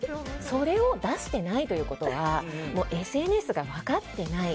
それを出してないということはＳＮＳが分かっていない。